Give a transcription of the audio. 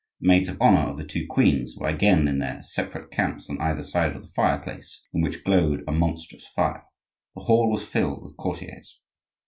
The maids of honor of the two queens were again in their separate camps on either side of the fireplace, in which glowed a monstrous fire. The hall was filled with courtiers.